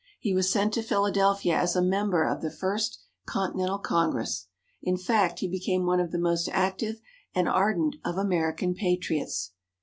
He was sent to Philadelphia as a member of the first Continental Congress. In fact, he became one of the most active and ardent of American Patriots.